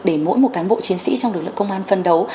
để mỗi một cán bộ chiến sĩ trong lực lượng công an phân đấu